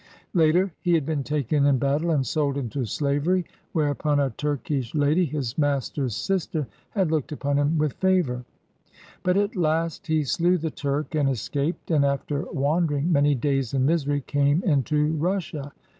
Later he had been taken in battle and sold into slavery, whereupon a Turkish «0 PIONEERS OF THE OLD SOUTH lady, his master's sister, had looked upon him with favor. But at last he slew the Turk and escaped, and after wandering many days in misery came into Russia.